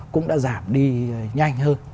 cũng đã giảm đi nhanh hơn